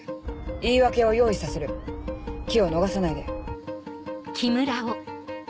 言い訳を用意させる機を逃さないで。